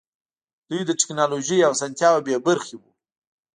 دوی له ټکنالوژۍ او اسانتیاوو بې برخې وو.